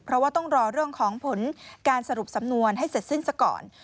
เพราะว่าต้องรอเรื่องของผลการสรุปสำนวนให้เสร็จสิ้นซะก่อน